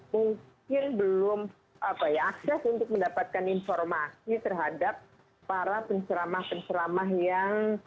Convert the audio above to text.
mungkin belum akses untuk mendapatkan informasi terhadap para penceramah penceramah yang